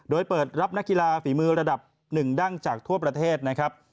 โดยเปิดรับนักกีฬาฝีมือระดับหนึ่งดั้งจากทั่วประเทศนะครับ